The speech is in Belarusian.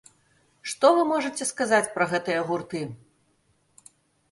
Што вы можаце сказаць пра гэтыя гурты?